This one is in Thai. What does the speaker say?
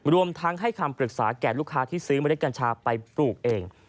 รวมทั้งให้คำปรึกษาแก่ลูกค้าที่ซื้อเมล็ดกัญชาไปปลูกเอง